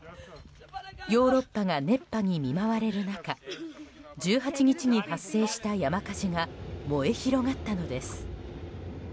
ヨーロッパが熱波に見舞われる中１８日に発生した山火事が燃え広がったのです。